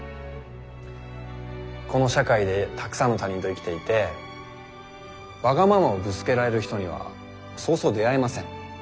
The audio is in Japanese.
この社会でたくさんの他人と生きていてわがままをぶつけられる人にはそうそう出会えません。